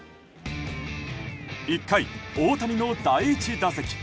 １回、大谷の第１打席。